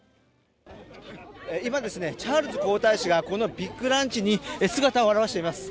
今、チャールズ皇太子がこのビッグランチに姿を現しています。